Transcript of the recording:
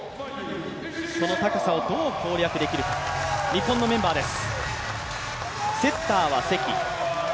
その高さをどう攻略できるか、日本のメンバーです。